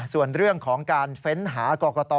ส่วนเรื่องของการเฟ้นหากรกต